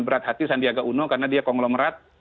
berat hati sandiaga uno karena dia konglomerat